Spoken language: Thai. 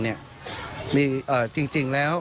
มีจริงแล้ว